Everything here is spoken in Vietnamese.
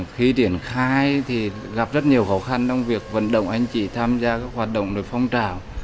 khi triển khai thì gặp rất nhiều khó khăn trong việc vận động anh chị tham gia các hoạt động phong trào